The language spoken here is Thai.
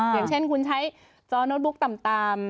อย่างเช่นคุณใช้จอโน้ตบุ๊กต่ำ